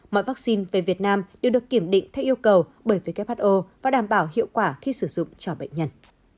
mọi vaccine về việt nam đều được kiểm định theo yêu cầu bởi who và đảm bảo hiệu quả khi sử dụng cho bệnh nhân